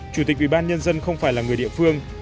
chủ tịch ubnd không phải là người địa phương